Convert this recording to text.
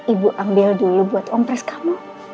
ibu ambil dulu buat ompres kamu